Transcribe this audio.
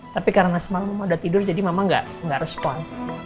tapi karena semalam udah tidur jadi mama nggak respon